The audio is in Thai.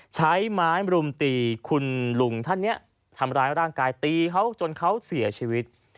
ใช้ไม้รุมตีคุณลุงท่านนี้ทำร้ายร่างกายตีเขาจนเขาเสียชีวิต